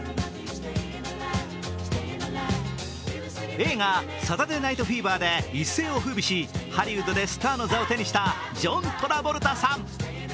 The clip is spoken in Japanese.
映画「サタデー・ナイト・フィーバー」で一世をふうびしハリウッドでスターの座を手にしたジョン・トラボルタさん。